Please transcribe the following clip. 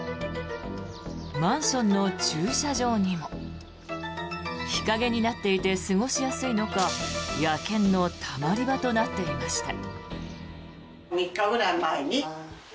マンションの駐車場にも日陰になっていて過ごしやすいのか野犬のたまり場となっていました。